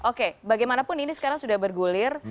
oke bagaimanapun ini sekarang sudah bergulir